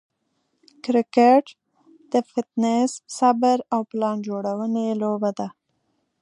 کرکټ د فټنس، صبر، او پلان جوړوني لوبه ده.